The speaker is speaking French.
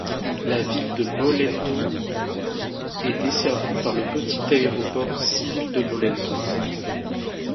La ville de Mollendo est desservie par le petit aéroport civil de Mollendo.